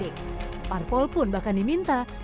ya profesional lima ribu lima ratus empat puluh lima dari partai